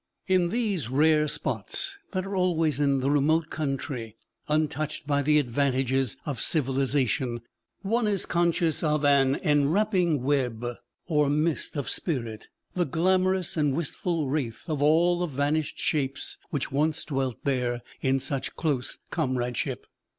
In these rare spots, that are always in the remote country, untouched by the advantages of civilization, one is conscious of an enwrapping web or mist of spirit, the glamorous and wistful wraith of all the vanished shapes which once dwelt there in such close comradeship.